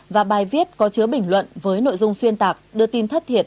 và bài viết có chứa bình luận với nội dung xuyên tạc đưa tin thất thiệt